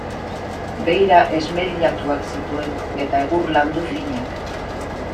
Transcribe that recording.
Beira esmerilatuak zituen, eta egur landu finak.